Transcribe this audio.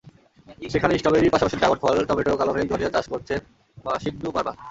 সেখানে স্ট্রবেরির পাশাপাশি ড্রাগন ফল, টমেটো, কালমেঘ, ধনিয়া চাষ করছেন মাসিংনু মার্মা।